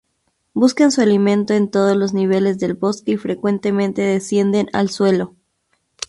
Buscan su alimento en todos los niveles del bosque y frecuentemente descienden al suelo.